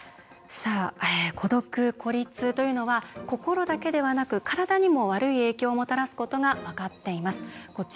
孤独・孤立というのは心だけではなく体にも悪い影響をもたらすことが分かっています。